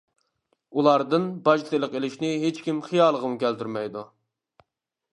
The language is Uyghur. ئۇلاردىن باج سېلىق ئېلىشنى ھېچكىم خىيالىغىمۇ كەلتۈرمەيدۇ.